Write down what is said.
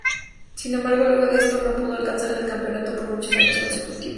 Sin embargo luego de esto no pudo alzarse al campeonato por muchos años consecutivos.